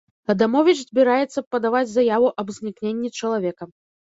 Адамовіч збіраецца падаваць заяву аб знікненні чалавека.